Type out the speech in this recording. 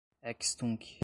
ex tunc